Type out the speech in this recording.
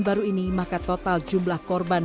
baru ini maka total jumlah korban